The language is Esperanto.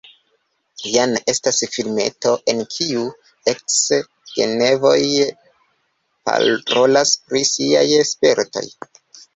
Jen estas filmeto, en kiu eks-genevoj parolas pri siaj spertoj.